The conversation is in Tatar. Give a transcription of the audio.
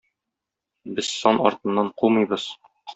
Без сан артыннан кумыйбыз.